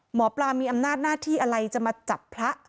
หมอปลามีอำนาจหน้าที่อะไรจะมาจับพระ